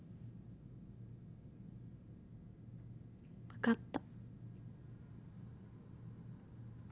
分かった。